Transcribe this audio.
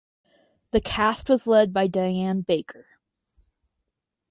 The cast was led by Diane Baker.